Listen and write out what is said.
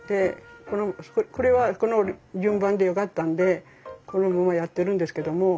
これはこの順番でよかったんでこのままやってるんですけども。